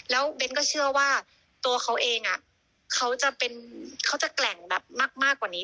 แล้วเบ้นก็เชื่อว่าตัวเขาเองเขาจะแกร่งแบบมากกว่านี้